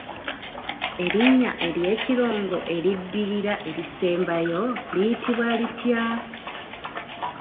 Erinnya ery’ekirongo eriddirira erisembayo liyitibwa litya?